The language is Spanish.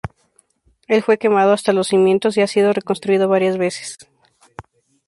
Él fue quemado hasta los cimientos y ha sido re-construido varias veces.